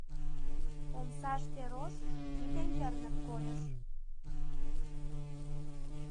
Омсаште рож — тиде йырнык койыш.